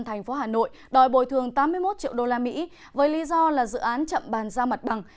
thành phố hà nội đòi bồi thường tám mươi một triệu usd với lý do là dự án chậm bàn giao mặt bằng